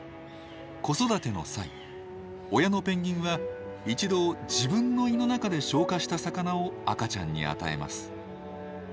子育ての際親のペンギンは一度自分の胃の中で消化した魚を赤ちゃんに与えます。